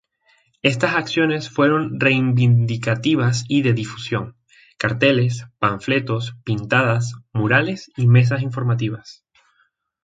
Estas acciones fueron reivindicativas y de difusión: carteles, panfletos, pintadas, murales y mesas informativas.